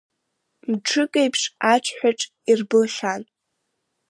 Мҿыкеиԥш аҽҳәаҿ ирбылхьан.